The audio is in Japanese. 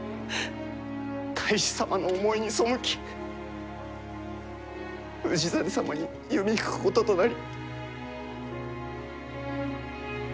太守様の思いに背き氏真様に弓引くこととなり。